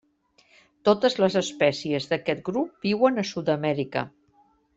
Totes les espècies d'aquest grup viuen a Sud-amèrica.